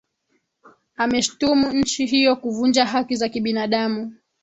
ameshtumu nchi hiyo kuvunja haki za kibinadamu